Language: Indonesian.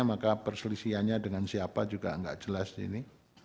maka perselisiannya dengan siapa juga nggak jelas ini